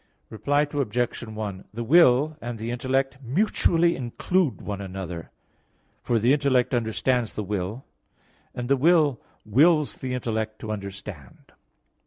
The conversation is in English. Reply Obj. 1: The will and the intellect mutually include one another: for the intellect understands the will, and the will wills the intellect to understand.